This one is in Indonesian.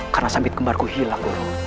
karena sambit kembarku hilang guru